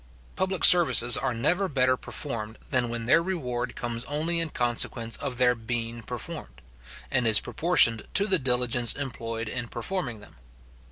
Public services are never better performed, than when their reward comes only in consequence of their being performed, and is proportioned to the diligence employed in performing them.